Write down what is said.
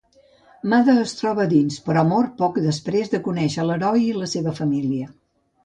Mada és trobat a dins, però mor poc després de conèixer l'Heroi i la seva família.